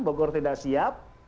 bogor tidak siap